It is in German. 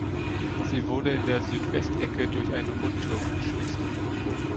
Sie wurde in der Südwestecke durch einen Rundturm geschützt.